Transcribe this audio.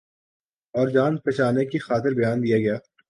اورجان بچانے کی خاطر بیان دیاگیا۔